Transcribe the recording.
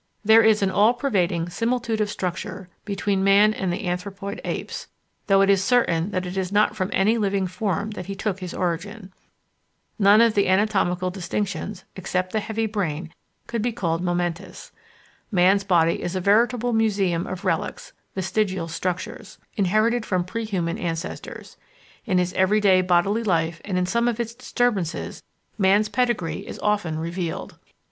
There is an "all pervading similitude of structure," between man and the Anthropoid Apes, though it is certain that it is not from any living form that he took his origin. None of the anatomical distinctions, except the heavy brain, could be called momentous. Man's body is a veritable museum of relics (vestigial structures) inherited from pre human ancestors. In his everyday bodily life and in some of its disturbances, man's pedigree is often revealed.